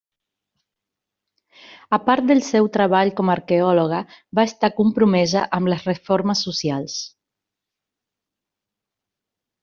A part del seu treball com a arqueòloga, va estar compromesa amb les reformes socials.